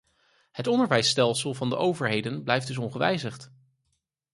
Het onderwijsstelsel van de overheden blijft dus ongewijzigd.